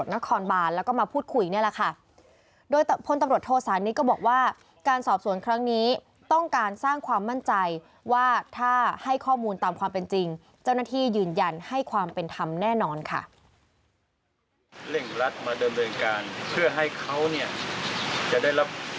จะมาพบน้องเพื่อให้น้องเกิดความมั่นใจ